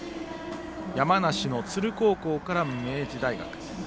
山梨の都留高校から明治大学。